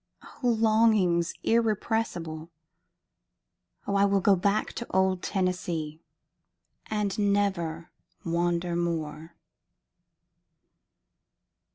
O longings irrepressible! O I will go back to old Tennessee, and never wander more!